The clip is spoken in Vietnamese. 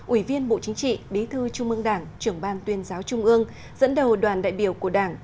ủy viên bộ chính trị bí thư trung ương đảng trưởng ban tuyên giáo trung ương dẫn đầu đoàn đại biểu của đảng